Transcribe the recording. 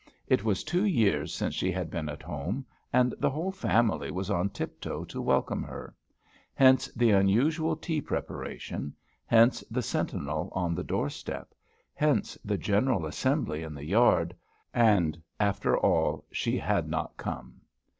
It was two years since she had been at home, and the whole family was on tiptoe to welcome her. Hence the unusual tea preparation; hence the sentinel on the doorstep; hence the general assembly in the yard; and, after all, she had not come!